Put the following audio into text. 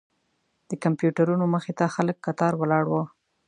د کمپیوټرونو مخې ته خلک کتار ولاړ وو.